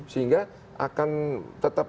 sehingga akan tetap